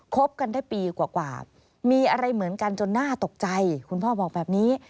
คบกันได้ปีกว่ามีอะไรเหมือนกันจนน่าตกใจคุณพ่อบอกแบบนี้